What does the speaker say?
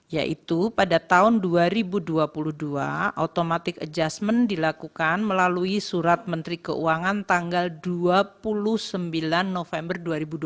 yaitu pada tahun dua ribu dua puluh dua automatic adjustment dilakukan melalui surat menteri keuangan tanggal dua puluh sembilan november dua ribu dua puluh